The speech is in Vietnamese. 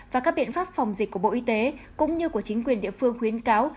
và các biện pháp phòng dịch của bộ y tế cũng như của chính quyền địa phương khuyến cáo